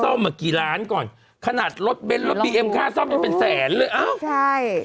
ทางที่แล้วเป็นแบบนั้นเลย